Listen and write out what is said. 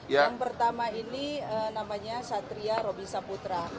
yang pertama ini namanya satria robinsaputra